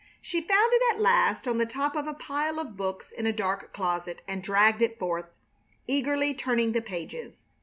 She found it at last on the top of a pile of books in a dark closet, and dragged it forth, eagerly turning the pages.